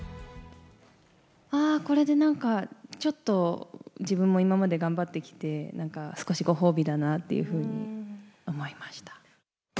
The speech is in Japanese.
ああ、これでなんか、ちょっと自分も今まで頑張ってきて、少しご褒美だなっていうふうに思いました。